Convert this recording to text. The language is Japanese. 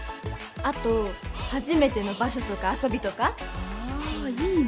あと初めての場所とか遊びとかああいいね